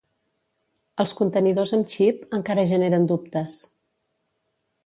Els contenidors amb xip encara generen dubtes.